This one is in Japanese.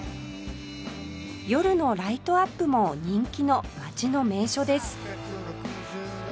夜のライトアップも人気の街の名所です